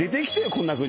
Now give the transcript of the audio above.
こんな国。